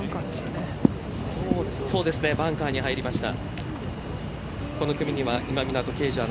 バンカーに入りました。